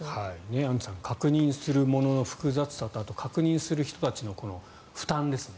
アンジュさん確認するものの複雑さとあと確認する人たちの負担ですね